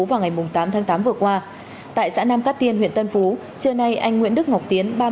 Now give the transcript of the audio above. vào ngày tám tháng tám vừa qua tại xã nam cát tiên huyện tân phú trưa nay anh nguyễn đức ngọc tiến